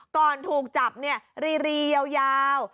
ก่อนถูกจับรียาว